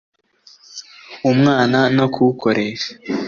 umwana no kuwukoresha